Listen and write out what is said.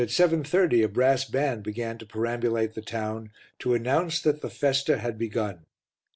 30 a brass band began to perambulate the town to announce that the festa had begun.